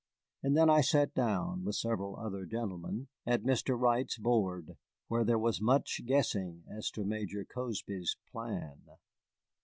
And then I sat down, with several other gentlemen, at Mr. Wright's board, where there was much guessing as to Major Cozby's plan.